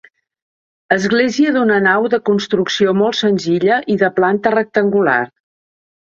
Església d'una nau de construcció molt senzilla i de planta rectangular.